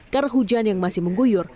karena hujan yang masih mengguyur